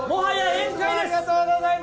ありがとうございます！